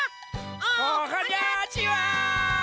おはにゃちは！